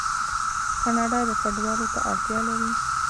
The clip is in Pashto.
کاناډا کډوالو ته اړتیا لري.